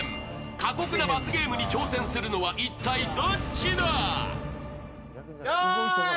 過酷な罰ゲームに挑戦するのは一体どっちだ？